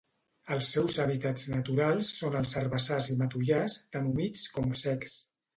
Els seus hàbitats naturals són els herbassars i matollars, tant humits com secs.